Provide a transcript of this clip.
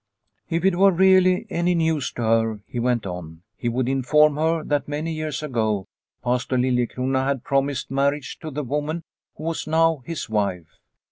If it were really any news to her, he went on, he would inform her that many years ago Pastor Liliecrona had promised marriage to the woman who was now his wife.